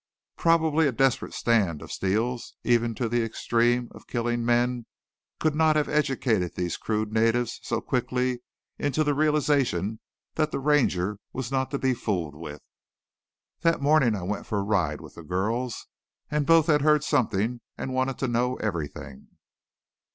Probably a desperate stand of Steele's even to the extreme of killing men, could not have educated these crude natives so quickly into the realization that the Ranger was not to be fooled with. That morning I went for a ride with the girls, and both had heard something and wanted to know everything.